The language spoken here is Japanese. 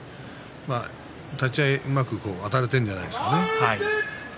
立ち合い、うまくあたれているんじゃないでしょうかね。